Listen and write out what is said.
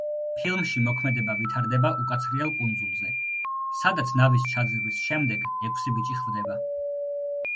ფილმში მოქმედება ვითარდება უკაცრიელ კუნძულზე სადაც ნავის ჩაძირვის შემდეგ ექვსი ბიჭი ხვდება.